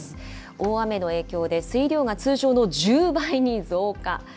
大雨の影響で水量が通常の１０倍に増加。